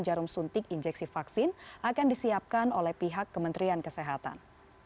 jarum suntik injeksi vaksin akan disiapkan oleh pihak kementerian kesehatan